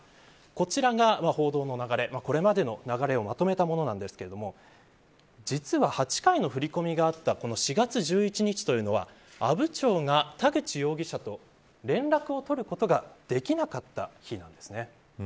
こちらが報道の流れ、これまでの流れをまとめたものですが実は８回の振り込みがあった４月１１日というのは阿武町が田口容疑者と連絡を取ることができなかった日なんです。